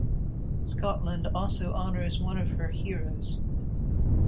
Scotland also honours one of her heroes.